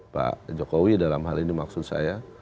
pak jokowi dalam hal ini maksud saya